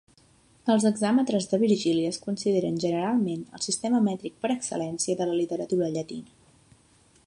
Els hexàmetres de Virgili es consideren generalment el sistema mètric per excel·lència de la literatura llatina.